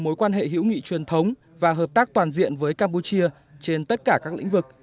mối quan hệ hữu nghị truyền thống và hợp tác toàn diện với campuchia trên tất cả các lĩnh vực